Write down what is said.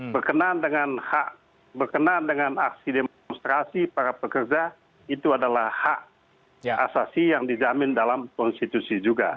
berkenan dengan hak berkenan dengan aksi demonstrasi para pekerja itu adalah hak asasi yang dijamin dalam konstitusi juga